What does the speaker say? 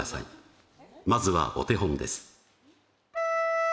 まずはお手本です